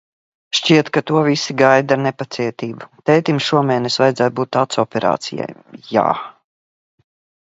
Šķiet, ka to visi gaida ar nepacietību. Tētim šomēnes vajadzētu būt acu operācijai. Jā...